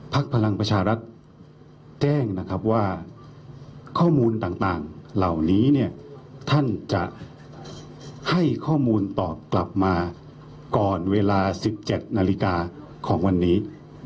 พลังประชารัฐแจ้งนะครับว่าข้อมูลต่างเหล่านี้เนี่ยท่านจะให้ข้อมูลตอบกลับมาก่อนเวลา๑๗นาฬิกาของวันนี้